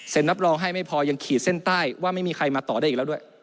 รับรองให้ไม่พอยังขีดเส้นใต้ว่าไม่มีใครมาต่อได้อีกแล้วด้วย